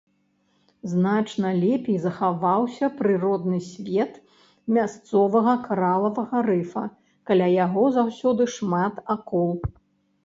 Значна лепей захаваўся прыродны свет мясцовага каралавага рыфа, каля якога заўсёды шмат акул.